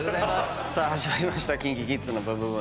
さあ始まりました『ＫｉｎＫｉＫｉｄｓのブンブブーン！』